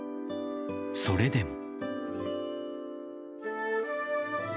それでも。